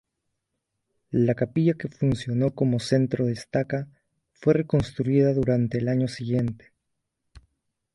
La capilla que funcionó como centro de "estaca" fue reconstruida durante el año siguiente.